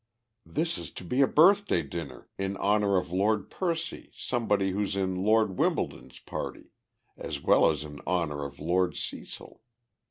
"This is to be a birthday dinner, in honor of Lord Percy Somebody who's in Lord Wimbledon's party, as well as in honor of Lord Cecil.